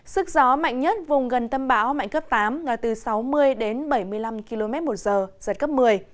sức gió mạnh nhất vùng gần tâm bão mạnh cấp tám là từ sáu mươi đến bảy mươi năm km một giờ giật cấp một mươi